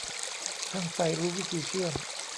ช่างไฟรู้วิธีเชื่อม